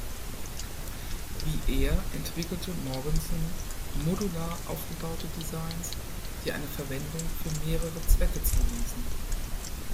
Wie er entwickelte Mogensen modular aufgebaute Designs, die eine Verwendung für mehrere Zwecke zuließen.